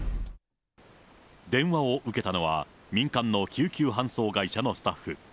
電話を受けたのは、民間の救急搬送会社のスタッフ。